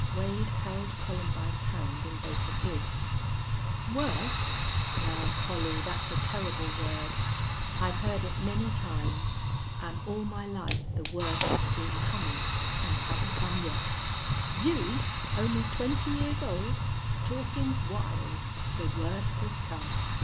Wade held Columbine's hand in both of his. "Worst! Now, Collie, that's a terrible word. I've heard it many times. An' all my life the worst's been comin'. An' it hasn't come yet. You only twenty years old talkin' wild the worst has come!...